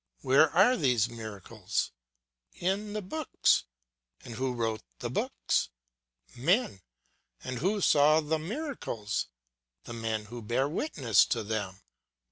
Where are these miracles? In the books. And who wrote the books? Men. And who saw the miracles? The men who bear witness to them.